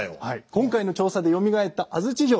今回の調査でよみがえった安土城